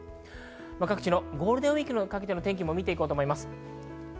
各地のゴールデンウイークにかけての天気も見てきます。